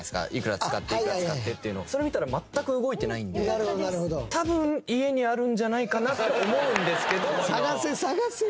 それ見たら全く動いてないんで多分家にあるんじゃないかなって思うんですけど。